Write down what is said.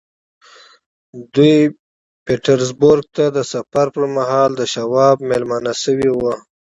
دوی پيټرزبورګ ته د سفر پر مهال د شواب مېلمانه شوي وو.